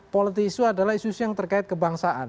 politi isu adalah isu isu yang terkait kebangsaan